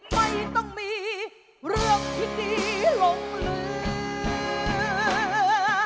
ไม่ต้องมีเรื่องที่ดีลงเหลือ